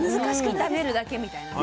炒めるだけみたいなね。